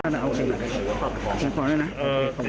ขอโทษครับขอโทษครับขอโทษครับ